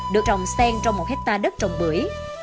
được trồng sen trong một hectare đất trồng bưởi